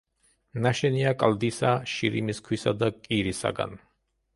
ნაშენია კლდისა, შირიმის ქვისა და კირისაგან.